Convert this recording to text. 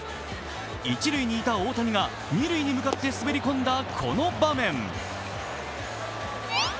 一塁にいた大谷が、二塁に向かって滑り込んだこの場面。